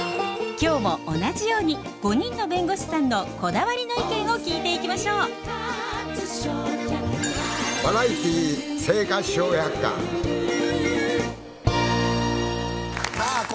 今日も同じように５人の弁護士さんのこだわりの意見を聞いていきましょうさあ